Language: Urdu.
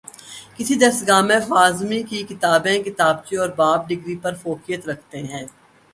کسی درسگاہ میں خوارزمی کی کتابیں کتابچے اور باب ڈگری پر فوقیت رکھتے ہیں